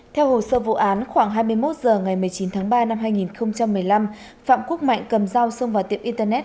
theo hồ sơ vụ án khoảng hai mươi một h ngày một mươi chín tháng ba năm hai nghìn một mươi năm phạm quốc mạnh cầm dao xông vào tiệm internet